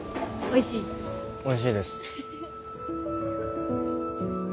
おいしいです。